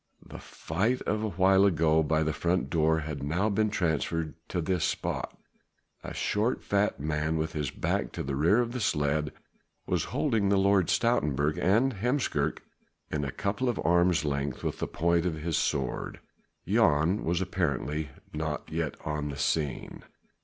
The fight of awhile ago by the front door had now been transferred to this spot. A short fat man with his back to the rear of the sledge was holding the Lord Stoutenburg and Heemskerk at a couple of arm's lengths with the point of his sword. Jan was apparently not yet on the scene.